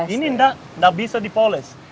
ini tidak bisa dipoles